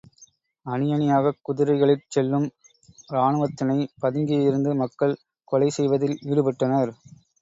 அணியணியாகக் குதிரைகளிற் செல்லும் இராணுவத்தினை பதுங்கியிருந்து மக்கள் கொலைசெய்வதில் ஈடுபட்டனர்.